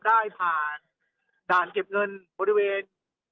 โดยได้เคลื่อนผ่าน